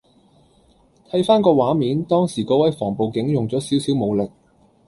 睇返個畫面當時嗰位防暴警用咗少少武力